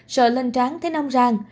sợ lên trán thấy nong rang